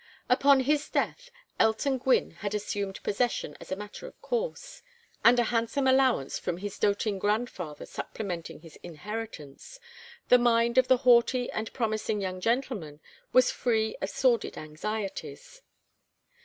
Upon his death Elton Gwynne had assumed possession as a matter of course; and a handsome allowance from his doting grandfather supplementing his inheritance, the mind of the haughty and promising young gentleman was free of sordid anxieties.